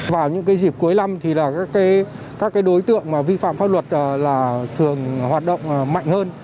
vào những dịp cuối năm thì các đối tượng vi phạm pháp luật là thường hoạt động mạnh hơn